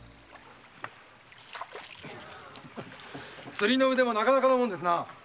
釣りの腕もなかなかのものですな。